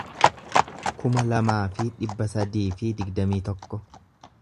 kuma lamaa fi dhibba sadii fi digdamii tokko